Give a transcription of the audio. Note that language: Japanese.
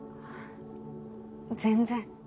全然。